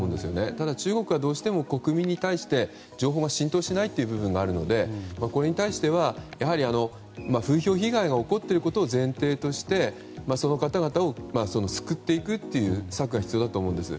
ただ、中国がどうしても国民に対して情報が浸透しない部分もあるのでこれに対しては、風評被害が起きていることを前提としてその方々を救っていくという策が必要だと思うんです。